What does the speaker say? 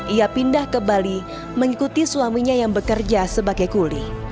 ia pindah ke bali mengikuti suaminya yang bekerja sebagai kuli